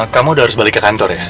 kamu udah harus balik ke kantor ya